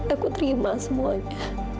aku terima semuanya